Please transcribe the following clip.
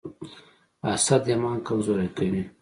حسد ایمان کمزوری کوي.